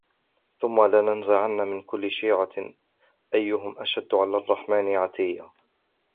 ثم لننزعن من كل شيعة أيهم أشد على الرحمن عتيا